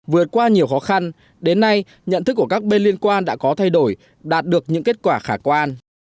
vượt qua nhiều khó khăn đến nay nhận thức của các bên liên quan đã có thay đổi đạt được những kết quả khả quan